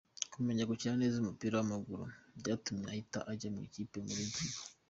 Kumenya gukina neza umupira w’amaguru byatumye ahita ajya mu ikipe nkuru y’ikigo.